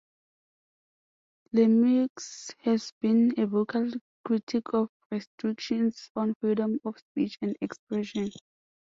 Lemieux has been a vocal critic of restrictions on freedom of speech and expression.